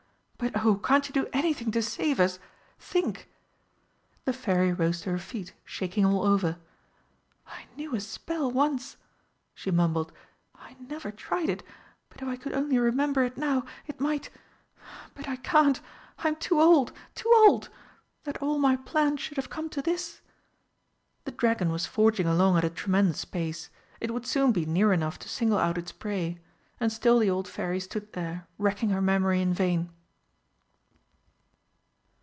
But oh, can't you do anything to save us! Think!" The Fairy rose to her feet, shaking all over. "I knew a spell once," she mumbled. "I never tried it but if I could only remember it now, it might But I can't I'm too old too old! That all my plans should have come to this!" The dragon was forging along at a tremendous pace. It would soon be near enough to single out its prey and still the old Fairy stood there, racking her memory in vain.